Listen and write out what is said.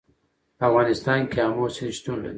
په افغانستان کې آمو سیند شتون لري.